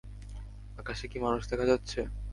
আকাশে কি মানুষ দেখা যাচ্ছে।